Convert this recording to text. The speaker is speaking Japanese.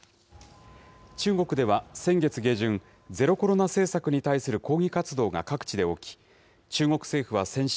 中国では先月下旬、ゼロコロナ政策に対する抗議活動が各地で起き、中国政府は先週、